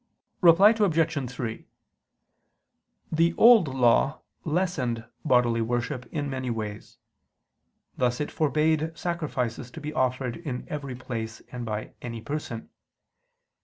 Reply Obj. 3: The Old Law lessened bodily worship in many ways. Thus it forbade sacrifices to be offered in every place and by any person.